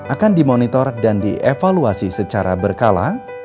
akan dimonitor dan dievaluasi secara berkala